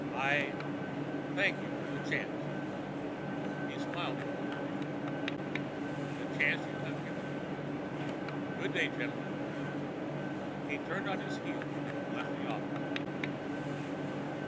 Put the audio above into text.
I—thank you for the chance"—he smiled a little ruefully—"the chance you have given me. Good day, gentlemen." He turned on his heel and left the office.